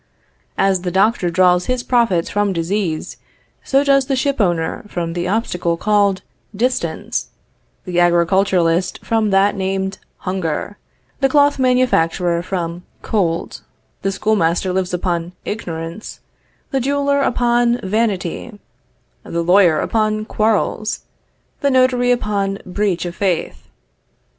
As the doctor draws his profits from disease, so does the ship owner from the obstacle called distance; the agriculturist from that named hunger; the cloth manufacturer from cold; the schoolmaster lives upon ignorance, the jeweler upon vanity, the lawyer upon quarrels, the notary upon breach of faith.